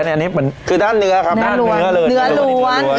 อันนี้มันคือด้านเนื้อครับด้านเนื้อเลยเนื้อล้วนเนื้อล้วน